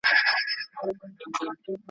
خپل ځای یې په نړۍ کې پیدا کړی.